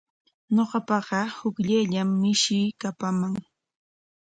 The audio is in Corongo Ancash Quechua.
Ñuqapaqa hukllayllam mishii kapaman.